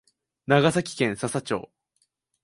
長崎県佐々町